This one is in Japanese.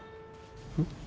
うん？